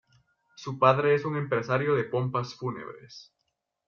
Su padre es un empresario de pompas fúnebres.